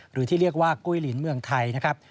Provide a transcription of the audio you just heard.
หรือที่เรียกว่ากุ้ยลินเมืองไทยนะครับ